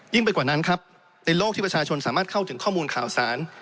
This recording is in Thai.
ไปกว่านั้นครับในโลกที่ประชาชนสามารถเข้าถึงข้อมูลข่าวสาร